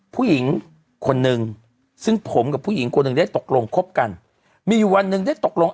ผู้หญิงคนนึงซึ่งผมกับผู้หญิงคนหนึ่งได้ตกลงคบกันมีอยู่วันหนึ่งได้ตกลง